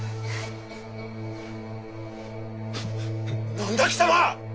何だ貴様！